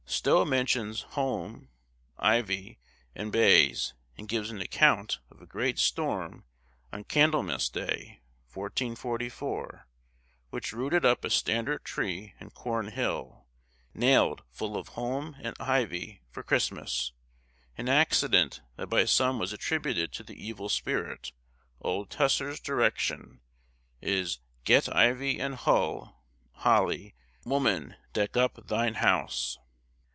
Stowe mentions holme, ivy, and bays, and gives an account of a great storm on Candlemas Day, 1444, which rooted up a standard tree, in Cornhill, nailed full of holme and ivy for Christmas, an accident that by some was attributed to the evil spirit. Old Tusser's direction is "Get ivye and hull (holly) woman deck up thine house."